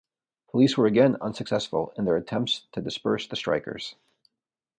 Police were again unsuccessful in their attempts to disperse the strikers.